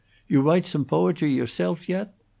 You write some boetry yourself yet?